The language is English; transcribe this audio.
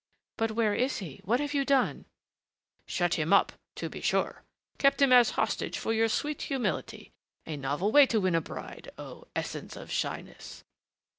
"But where is he what have you done?" "Shut him up, to be sure. Kept him as hostage for your sweet humility a novel way to win a bride, oh, essence of shyness!"